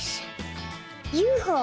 ＵＦＯ。